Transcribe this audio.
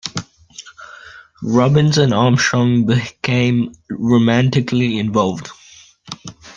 Robbins and Armstrong became romantically involved.